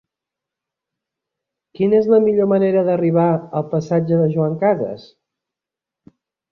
Quina és la millor manera d'arribar al passatge de Joan Casas?